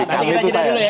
nanti kita jeda dulu ya